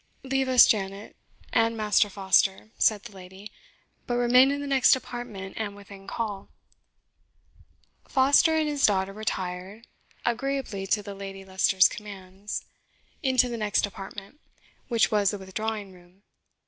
"Leave us, Janet, and Master Foster," said the lady; "but remain in the next apartment, and within call." Foster and his daughter retired, agreeably to the Lady Leicester's commands, into the next apartment, which was the withdrawing room.